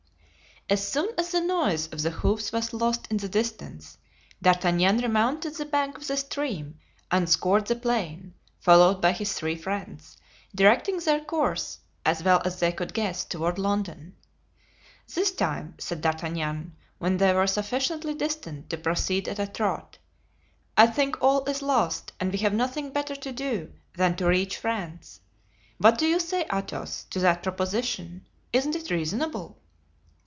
As soon as the noise of the hoofs was lost in the distance D'Artagnan remounted the bank of the stream and scoured the plain, followed by his three friends, directing their course, as well as they could guess, toward London. "This time," said D'Artagnan, when they were sufficiently distant to proceed at a trot, "I think all is lost and we have nothing better to do than to reach France. What do you say, Athos, to that proposition? Isn't it reasonable?"